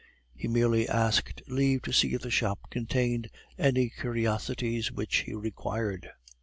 He merely asked leave to see if the shop contained any curiosities which he required.